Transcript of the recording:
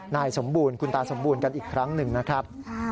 นายสมบูรณ์คุณตาสมบูรณ์กันอีกครั้งหนึ่งนะครับ